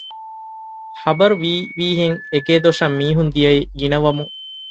ޚަބަރު ވީވީހެން އެގޭ ދޮށަށް މީހުން ދިޔައީ ގިނަވަމުން